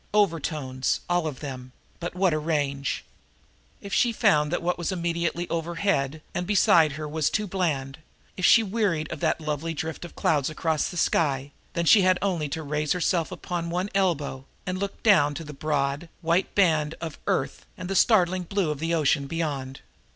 Overtones, all of them but what a range! If she found that what was immediately overhead and beside her was too bland, if she wearied of that lovely drift of clouds across the sky, then she had only to raise herself upon one elbow and look down to the broad, white band of the earth, and the startling blue of the ocean beyond.